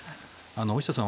大下さん